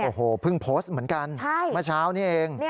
โอ้โหเพิ่งโพสต์เหมือนกันเมื่อเช้านี้เอง